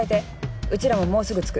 うちらももうすぐ着く。